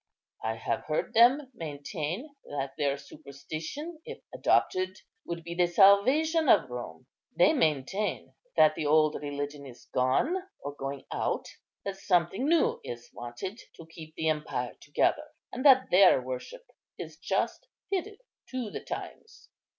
"I have heard them maintain that their superstition, if adopted, would be the salvation of Rome. They maintain that the old religion is gone or going out; that something new is wanted to keep the empire together; and that their worship is just fitted to the times."